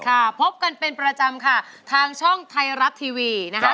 พบกันเป็นประจำค่ะทางช่องไทยรัฐทีวีนะคะ